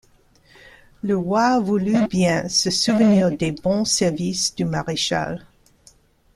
Le roi voulut bien se souvenir des bons services du maréchal.